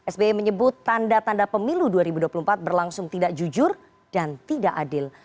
sbi menyebut tanda tanda pemilu dua ribu dua puluh empat berlangsung tidak jujur dan tidak adil